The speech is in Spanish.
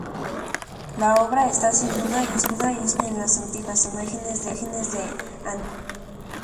La obra está sin duda inspirada en las antiguas imágenes de Antínoo.